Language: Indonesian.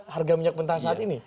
harga minyak mentah saat ini